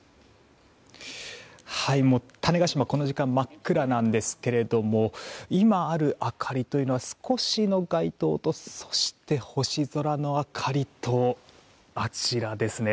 種子島はこの時間真っ暗なんですが今ある明かりというのは少しの街灯とそして星空の明かりとあちらですね。